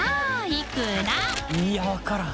小瀧）いや分からん。